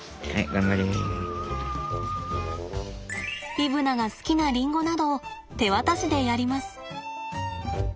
イブナが好きなリンゴなどを手渡しでやります。